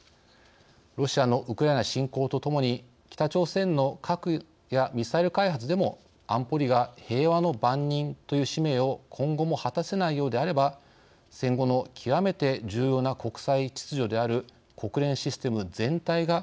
ロシアのウクライナ侵攻とともに北朝鮮の核やミサイル開発でも安保理が平和の番人という使命を今後も果たせないようであれば戦後の極めて重要な国際秩序である国連システム全体が